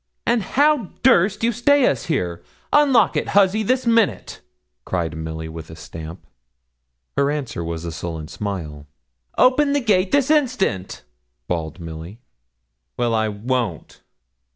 'And how durst you stay us here? Unlock it, huzzy, this minute!' cried Milly, with a stamp. Her answer was a sullen smile. 'Open the gate this instant!' bawled Milly. 'Well, I _won't.